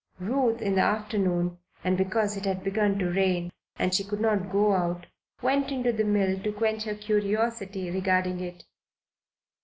Ruth, in the afternoon, and because it had begun to rain and she could not go out, went into the mill to quench her curiosity regarding it.